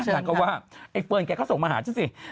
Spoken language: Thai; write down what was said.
นางก็ว่าไอ้เฟิร์นแกก็ส่งมาหาฉันสิ